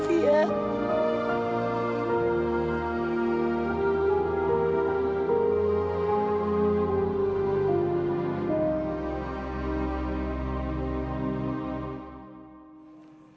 ya terima kasih